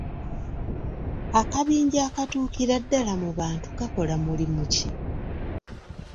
Akabinja akatuukira ddala mu bantu kakola mulimu ki?